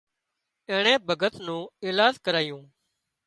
اينڻي ڀڳت نو ايلاز ڪرايو